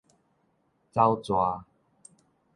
走逝